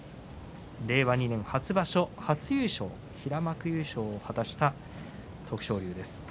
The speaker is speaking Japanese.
令和２年初場所、初優勝平幕優勝を果たした徳勝龍です。